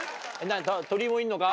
鳥居もいんのか？